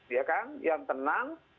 ya kan yang tenang